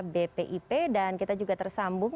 bpip dan kita juga tersambung